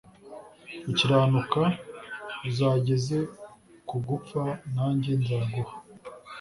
ukiranuka uzageze ku gupfa nanjye nzaguha